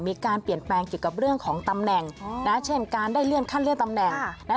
มีการเปลี่ยนแปลงเกี่ยวกับเรื่องของตำแหน่งนะเช่นการได้เลื่อนขั้นเลื่อนตำแหน่งนะ